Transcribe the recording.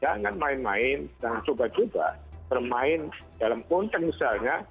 jangan main main jangan coba coba bermain dalam konten misalnya